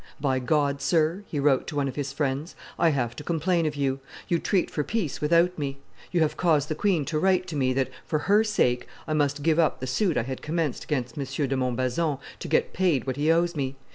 "By God, sir," he wrote to one of his friends, "I have to complain of you; you treat for peace without me; you have caused the queen to write to me that, for her sake, I must give up the suit I had commenced against M. de Montbazon to get paid what he owes me.